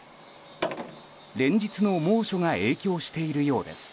連日の猛暑が影響しているようです。